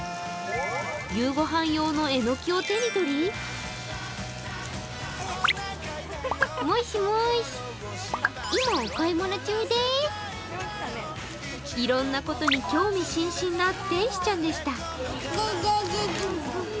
夕御飯用のえのきを手に取りいろんなことに興味津々な天使ちゃんでした。